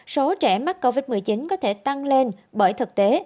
số trẻ mắc covid một mươi chín có thể tăng lên bởi thực tế